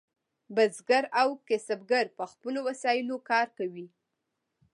بزګر او کسبګر په خپلو وسایلو کار کوي.